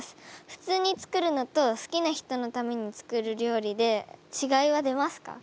普通に作るのと好きな人のために作る料理でちがいは出ますか？